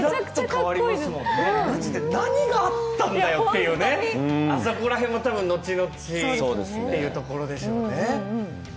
マジで何があったんだよっていうね、そこら辺も後々というところでしょうね。